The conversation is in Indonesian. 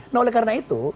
nah oleh karena itu